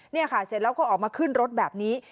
นี่ค่ะเสร็จแล้วก็ออกมาขึ้นรถแบบนี้